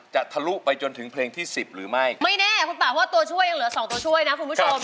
ทะลุไปจนถึงเพลงที่สิบหรือไม่ไม่แน่คุณป่าเพราะว่าตัวช่วยยังเหลือสองตัวช่วยนะคุณผู้ชม